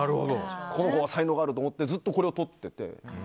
この子は才能があると思ってずっとこれをとってて。